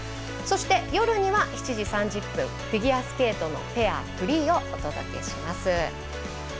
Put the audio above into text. そして、夜には７時３０分フィギュアスケートのペアフリーをお届けします。